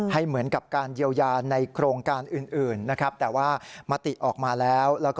เหมือนกับการเยียวยาในโครงการอื่นนะครับแต่ว่ามติออกมาแล้วแล้วก็